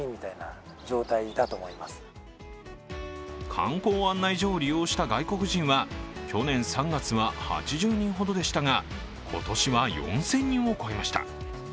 観光案内所を利用した外国人は、去年３月は８０人ほどでしたが今年は４０００人を超えました。